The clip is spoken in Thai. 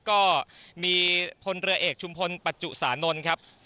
ก็มีพลเรือเอกชุมพลปัจจุสานนท์ครับ